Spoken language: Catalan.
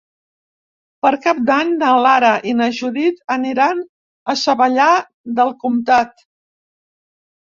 Per Cap d'Any na Lara i na Judit aniran a Savallà del Comtat.